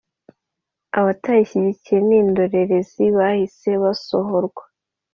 abatayishyigikiye n’indorerezi bahise basohorwa